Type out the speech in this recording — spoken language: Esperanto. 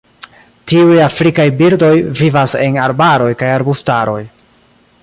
Tiuj afrikaj birdoj vivas en arbaroj kaj arbustaroj.